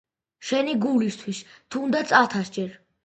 “შენი გულისთვის, თუნდაც ათასჯერ...”